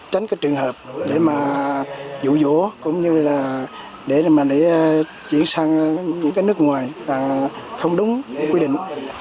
tránh cái trường hợp để mà dụ dỗ cũng như là để mà để chuyển sang những cái nước ngoài và không đúng quy định